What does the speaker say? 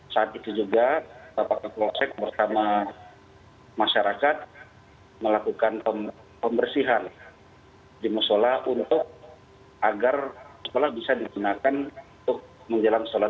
saat itu juga bapak kapolsek bersama masyarakat melakukan pembersihan di musola agar musola bisa digunakan untuk menjalankan sholat matri